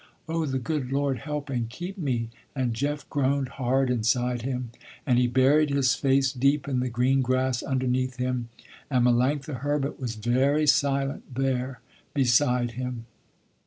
Oh the good Lord help and keep me!" and Jeff groaned hard inside him, and he buried his face deep in the green grass underneath him, and Melanctha Herbert was very silent there beside him.